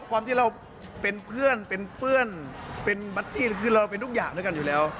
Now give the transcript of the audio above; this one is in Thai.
ความที่เราเป็นเพื่อนเป็นเพื่อนเป็นบัตตี้คือเราเป็นทุกอย่างด้วยกันอยู่แล้ว